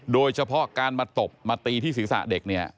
โดยเฉพาะการมาตบมาตีที่ศีรษะเด็กเนี่ย